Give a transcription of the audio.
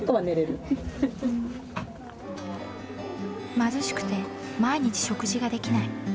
貧しくて毎日食事ができない。